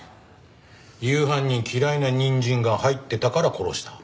夕飯に嫌いな人参が入ってたから殺した。